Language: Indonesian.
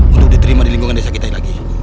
untuk diterima di lingkungan desa kita ini lagi